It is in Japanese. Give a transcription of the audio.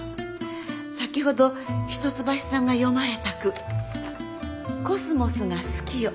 先ほど一橋さんが詠まれた句「秋桜が好きよ